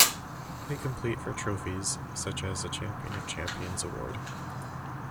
They compete for trophies such as the 'Champion of Champions award'.